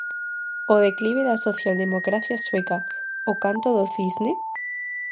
O declive da socialdemocracia sueca: o canto do cisne?